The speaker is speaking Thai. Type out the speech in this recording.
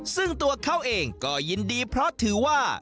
ซึ่งตัวเขาเองก็ยินดีเพราะถือว่า